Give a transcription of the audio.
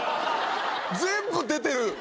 全部出てる！